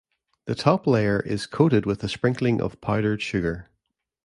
The top layer is coated with a sprinkling of powdered sugar.